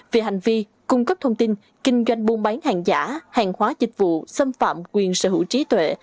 về hành vi cung cấp thông tin kinh doanh buôn bán hàng giả hàng hóa dịch vụ xâm phạm quyền sở hữu trí tuệ